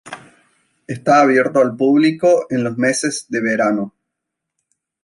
Está abierto al público en los meses de verano.